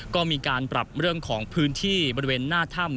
ก็มีการปรับเรื่องของพื้นที่บริเวณหน้าถ้ำ